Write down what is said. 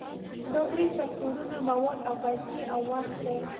دا درې فکتورونه مواد او پیسې او وخت دي.